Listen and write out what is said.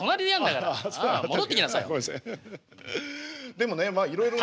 でもねまあいろいろね。